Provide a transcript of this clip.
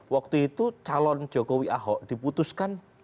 waktu itu calon jokowi ahok diputuskan